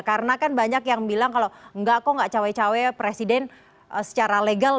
karena kan banyak yang bilang kalau enggak kok enggak cawe cawe presiden secara legal